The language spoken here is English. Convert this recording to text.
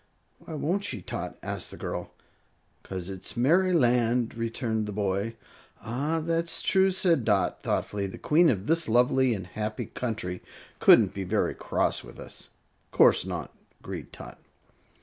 "Why won't she, Tot?" asked the girl. "'Cause it's Merryland," returned the boy. "Ah! That's true," said Dot, thoughtfully; "the Queen of this lovely and happy country couldn't be very cross with us." "Course not," agreed Tot.